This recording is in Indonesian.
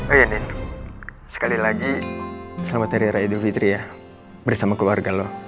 oh iya andin sekali lagi selamat hari raya idul fitri ya beri sama keluarga lo